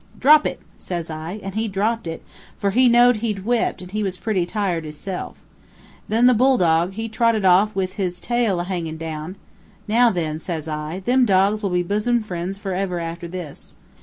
'Drop it!' says I, and he dropped it, for he know'd he'd whipped, and he was pretty tired hisself. Then the bull dog, he trotted off with his tail a hangin' down. 'Now, then,' says I, 'them dogs will be bosom friends forever after this.'